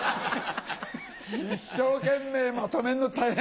一生懸命まとめんの大変！